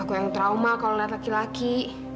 aku yang trauma kalau lihat laki laki